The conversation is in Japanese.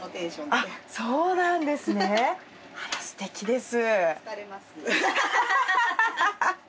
あらすてきです。